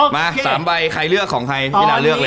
มา๓ใบใครเลือกของใครพี่นาเลือกเลย